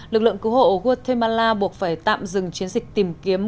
lực lượng cứu hộ guatemala buộc phải tạm dừng chiến dịch tìm kiếm